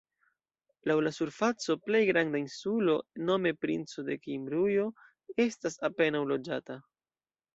La laŭ la surfaco plej granda insulo nome Princo de Kimrujo estas apenaŭ loĝata.